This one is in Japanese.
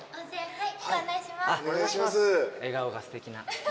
はい。